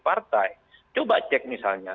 partai coba cek misalnya